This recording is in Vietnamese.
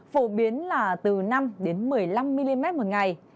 phổ biến là từ năm một mươi năm mm một ngày